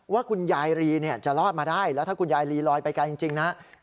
ว่าคุณยายรีเนี่ยจะรอดมาได้แล้วถ้าคุณยายลีลอยไปไกลจริงนะ